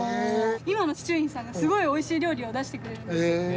今の司厨員さんがすごいおいしい料理を出してくれるんですよ。